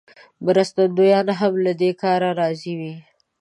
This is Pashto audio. مرستندویان هم له دې کاره راضي وي.